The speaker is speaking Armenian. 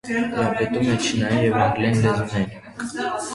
Տիրապետում է չինարեն և անգլերեն լեզուներին։